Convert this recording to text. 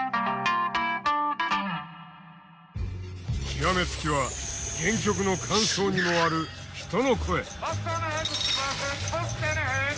極め付きは原曲の間奏にもある人の声。